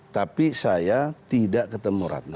tapi saya tidak ketemu ratna